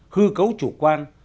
hư cấu chủ quan